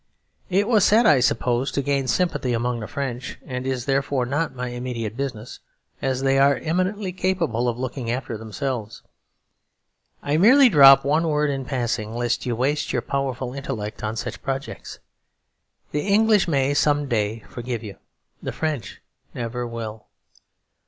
It was said, I suppose, to gain sympathy among the French, and is therefore not my immediate business, as they are eminently capable of looking after themselves. I merely drop one word in passing, lest you waste your powerful intellect on such projects. The English may some day forgive you; the French never will.